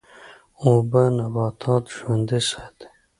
اوبه نباتات ژوندی ساتي.